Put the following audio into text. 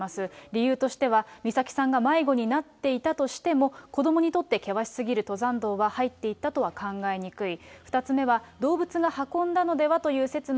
理由としては、美咲さんが迷子になっていたとしても、子どもにとって険しすぎる登山道は入っていったとは考えにくい。